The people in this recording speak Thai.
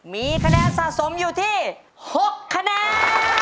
มีคะแนนสะสมอยู่ที่๖คะแนน